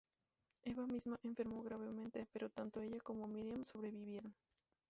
Eva misma enfermó gravemente, pero tanto ella como Miriam sobrevivieron.